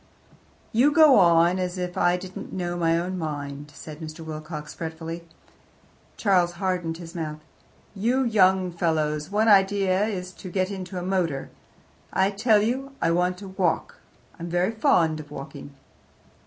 "You go on as if I didn't know my own mind," said Mr. Wilcox fretfully. Charles hardened his mouth. "You young fellows' one idea is to get into a motor. I tell you, I want to walk: I'm very fond of walking."